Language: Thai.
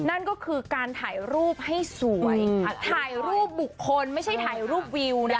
นั่นก็คือการถ่ายรูปให้สวยถ่ายรูปบุคคลไม่ใช่ถ่ายรูปวิวนะ